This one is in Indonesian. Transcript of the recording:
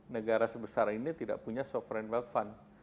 negara sebesar ini tidak punya sovereign wealth fund